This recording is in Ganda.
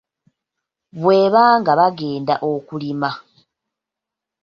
Bwe baanga bagenda okulima,